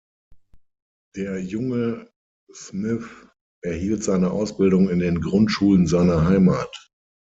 Der junge Smith erhielt seine Ausbildung in den Grundschulen seiner Heimat.